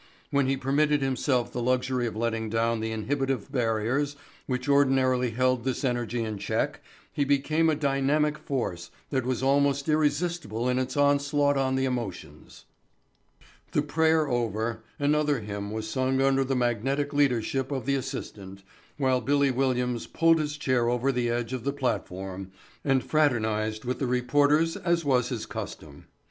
When he permitted himself the luxury of letting down the inhibitive barriers which ordinarily held this energy in check he became a dynamic force that was almost irresistible in its onslaught on the emotions. The prayer over, another hymn was sung under the magnetic leadership of the assistant, while "Billy" Williams pulled his chair over the edge of the platform and fraternized with the reporters as was his custom.